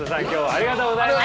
ありがとうございます。